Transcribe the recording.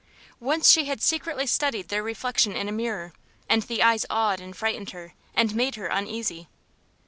Once she had secretly studied their reflection in a mirror, and the eyes awed and frightened her, and made her uneasy.